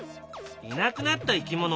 いなくなった生き物